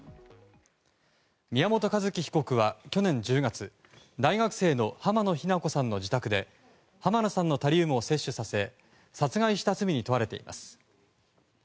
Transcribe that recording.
宮本一希被告は去年１０月大学生の浜野日菜子さんの自宅で浜野さんにタリウムを摂取させ殺害した罪に問われています。